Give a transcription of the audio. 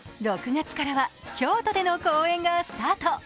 ６月からは京都での公演がスタート。